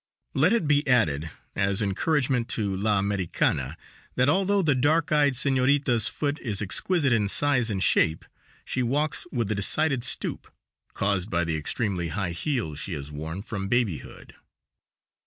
Let it be added, as encouragement to La Americana, that although the dark eyed Senorita's foot is exquisite in size and shape, she walks with a decided stoop, caused by the extremely high heels she has worn from babyhood.